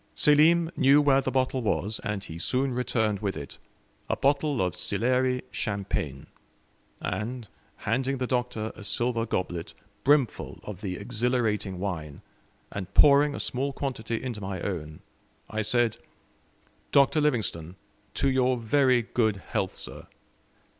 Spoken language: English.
Selim knew where the bottle was, and he soon returned with it a bottle of Sillery champagne; and, handing the Doctor a silver goblet brimful of the exhilarating wine, and pouring a small quantity into my own, I said, "Dr. Livingstone, to your very good health, sir."